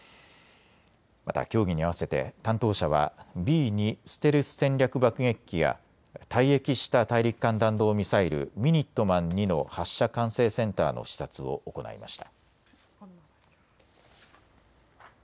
また協議に合わせて担当者はＢ２ステルス戦略爆撃機や退役した大陸間弾道ミサイルミニットマン２の発射管制センターの視察を行いました。